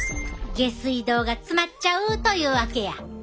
下水道が詰まっちゃうというわけや！